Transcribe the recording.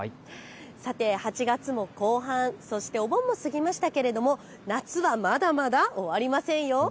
さて８月も後半お盆も過ぎましたけど夏はまだまだ終わりませんよ。